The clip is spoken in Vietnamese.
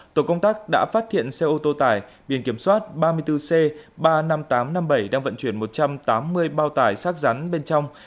tổ công tác đã phát hiện xe ô tô tải biển kiểm soát ba mươi bốn c ba mươi năm nghìn tám trăm năm mươi bảy đang vận chuyển một trăm tám mươi bao tải sát rắn bên trong